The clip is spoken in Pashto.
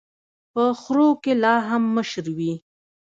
په خرو کي لا هم مشر وي.